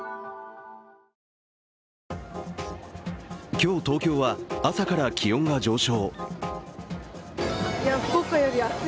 今日、東京は朝から気温が上昇。